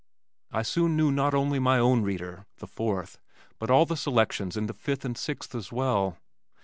I soon knew not only my own reader, the fourth, but all the selections in the fifth and sixth as well.